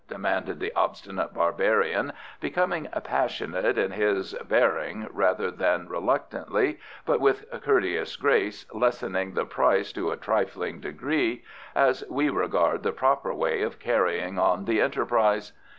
demanded the obstinate barbarian, becoming passionate in his bearing rather than reluctantly, but with courteous grace, lessening the price to a trifling degree, as we regard the proper way of carrying on the enterprise.